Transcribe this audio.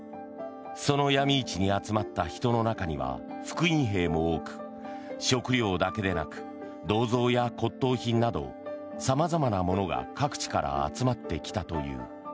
そのヤミ市に集まった人の中には復員兵も多く食料だけでなく銅像や骨とう品などさまざまなものが各地から集まってきたという。